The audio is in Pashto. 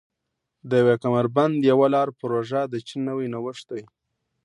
د یو کمربند یوه لار پروژه د چین نوی نوښت دی.